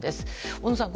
小野さん